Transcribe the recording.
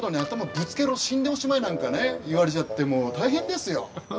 死んでおしまい」なんかね言われちゃってもう大変ですよ。